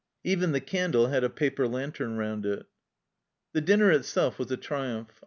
Even the candle had a paper lantern round it. The dinner itself was a triumph.